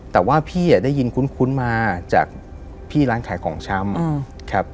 แต่ว่าพี่ได้ยินคุ้นมาจากพี่ร้านขายของชำครับ